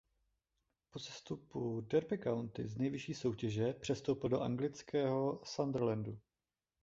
Po sestupu Derby County z nejvyšší soutěže přestoupil do anglického Sunderlandu.